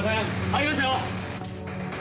入りますよ！